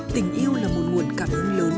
tình yêu là một nguồn cảm ơn lớn